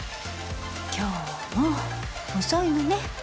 今日も遅いのね。